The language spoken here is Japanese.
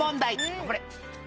頑張れ！